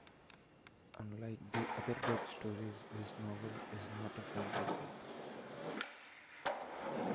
Unlike the other Bek stories, this novel is not a fantasy.